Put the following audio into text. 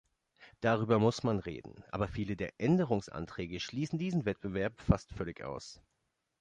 Darüber muss man reden, aber viele der Änderungsanträge schließen diesen Wettbewerb fast völlig aus.